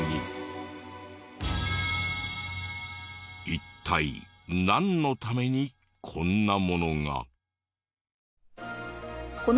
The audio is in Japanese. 一体なんのためにこんなものが？何？